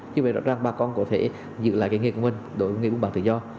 như vậy rõ ràng bà con có thể giữ lại cái nghề của mình đổi nghề văn bản tự do